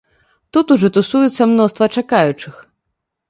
Тут ужо тусуецца мноства чакаючых.